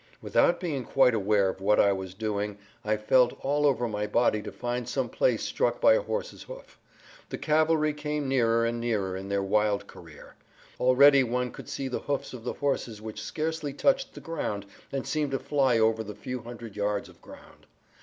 Without being quite aware of what I was doing I felt all over my body to find some place struck by a horse's hoof. The cavalry came nearer and nearer in their wild career. Already one could see the hoofs of the horses which scarcely touched the ground and seemed to fly over the few hundred yards of ground.